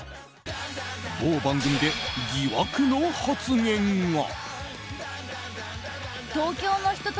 某番組で、疑惑の発言が。